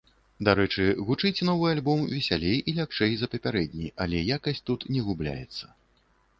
Дарэчы, гучыць новы альбом весялей і лягчэй за папярэдні, але якасць тут не губляецца.